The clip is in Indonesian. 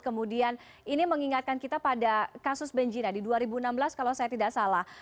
kemudian ini mengingatkan kita pada kasus benjina di dua ribu enam belas kalau saya tidak salah